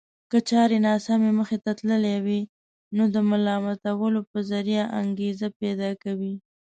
که چارې ناسمې مخته تللې وي نو د ملامتولو په ذريعه انګېزه پيدا کوي.